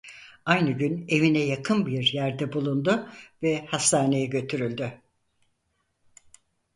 Aynı gün evine yakın bir yerde bulundu ve hastaneye götürüldü.